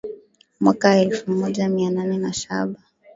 Mwaka elfu moja mia nane na saba